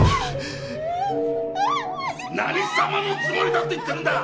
何様のつもりだと言ってるんだ！